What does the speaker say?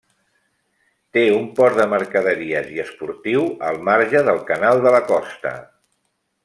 Té un port de mercaderies i esportiu al marge del Canal de la Costa.